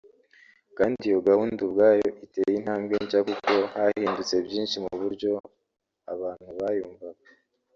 kandi iyo gahunda ubwayo iteye intambwe nshya kuko hahindutse byinshi mu buryo abantu bayumvaga